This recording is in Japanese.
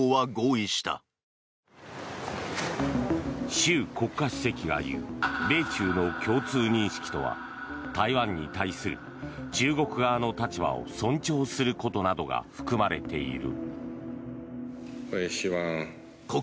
習国家主席が言う米中の共通認識とは台湾に対する中国側の立場を尊重することなどが含まれている。